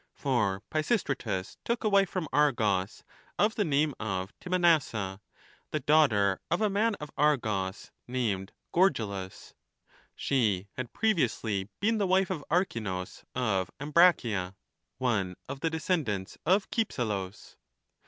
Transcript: For Pisistratus took a wife from Argos, of the name of Timonassa, the daughter of a man of Argos, named Gor gllus ; she had previously been the wife of Archmus of Ambracia, one of the descendants of Cypselus.